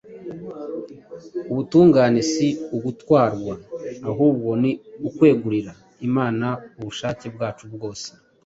Ubutungane si ugutwarwa: ahubwo ni ukwegurira Imana ubushake bwacu bwose,